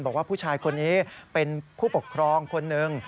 บอกว่าผู้ชายคนนี้เป็นผู้ปกครองคนหนึ่ง